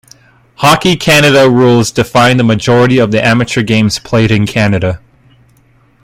Hockey Canada rules define the majority of the amateur games played in Canada.